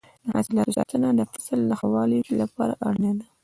د حاصلاتو ساتنه د فصل د ښه والي لپاره اړینه ده.